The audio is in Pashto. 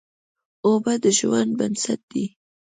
اوبه د ژوند بنسټ دي.